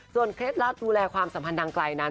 เคล็ดลับดูแลความสัมพันธ์ทางไกลนั้น